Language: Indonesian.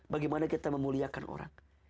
bagaimana kita memuliakan orang